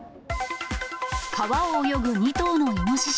川を泳ぐ２頭のイノシシ。